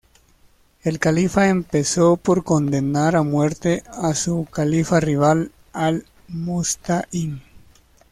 El califa empezó por condenar a muerte a su califa rival Al-Musta'ín.